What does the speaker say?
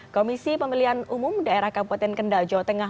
komisi pemilihan umum daerah kabupaten kendal jawa tengah